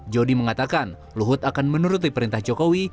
jody mengatakan luhut akan menuruti perintah jokowi